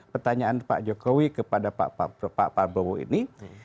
pertanyaan pak jokowi kepada pak prabowo ini